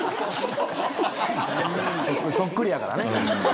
そっくりやからね。